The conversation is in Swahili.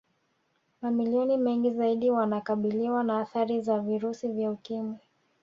Mamilioni mengi zaidi wanakabiliwa na athari za virusi vya Ukimwi